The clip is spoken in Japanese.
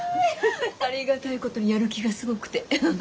ありがたいことにやる気がすごくて。